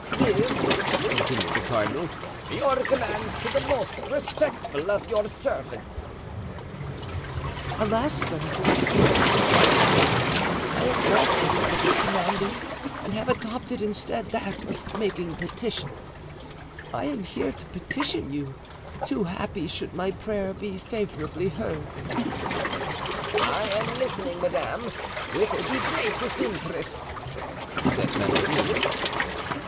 "Give," continued the cardinal, "your commands to the most respectful of your servants." "Alas, sir," replied the queen, "I have lost the habit of commanding and have adopted instead that of making petitions. I am here to petition you, too happy should my prayer be favorably heard." "I am listening, madame, with the greatest interest," said Mazarin.